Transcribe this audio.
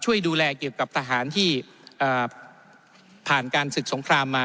ช่วยดูแลเกี่ยวกับทหารที่ผ่านการศึกสงครามมา